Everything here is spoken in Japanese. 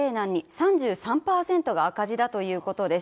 ３３％が赤字だということです。